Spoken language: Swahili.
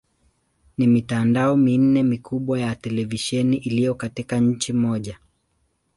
Ni mitandao minne mikubwa ya televisheni iliyo katika nchi moja.